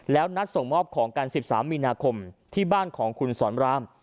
แล้วนัดส่งมอบของกัน๑๓มีนาคมที่บ้านของคุณสอนราม